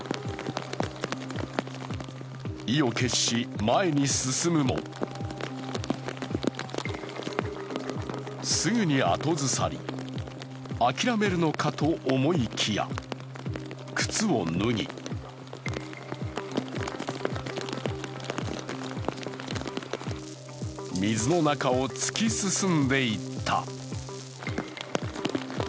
意を決し前に進むもすぐに後ずさり、諦めるのかと思いきや靴を脱ぎ水の中を突き進んでいった。